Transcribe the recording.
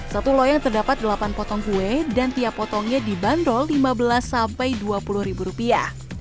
satu loyang terdapat delapan potong kue dan tiap potongnya dibanderol lima belas sampai dua puluh ribu rupiah